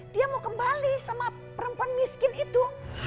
dia mau kembali sama perempuan miskin itu